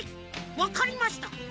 わかりました。